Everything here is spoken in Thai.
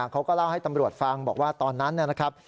เขาก็เล่าให้ตำรวจฟังบอกว่าตอนนั้นนะครับ